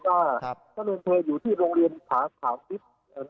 ท่านเรนเฟย์อยู่ที่โรงเรียนขาวฟิศ